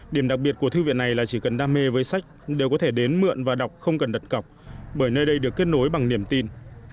điểm đặc biệt của thư viện này là chỉ cần đam mê với sách đều có thể đến mượn và đọc không cần đặt cọc bởi nơi đây được kết nối bằng niềm tin